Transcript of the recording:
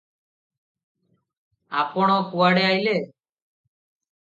ଆପଣ କୁଆଡେ ଅଇଲେ?